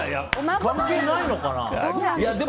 関係ないのかな？